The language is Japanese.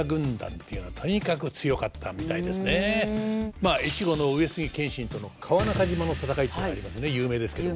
まあ越後の上杉謙信との川中島の戦いっていうのありますね有名ですけど。